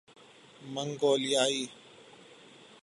منگولیائی